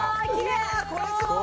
いやこれすごい！